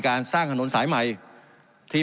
การปรับปรุงทางพื้นฐานสนามบิน